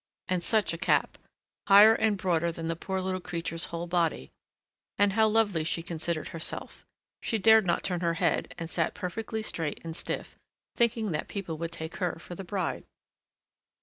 And such a cap! higher and broader than the poor little creature's whole body. And how lovely she considered herself! She dared not turn her head, and sat perfectly straight and stiff, thinking that people would take her for the bride.